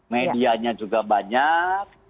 medianya juga banyak